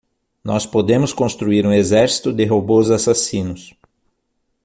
Nós podemos construir um exército de robôs assassinos.